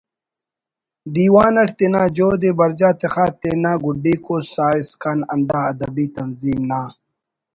دیوان اٹ تینا جہد ءِ برجا تخا تینا گڈیکو ساہ اسکان ہندا ادبی تنظیم نا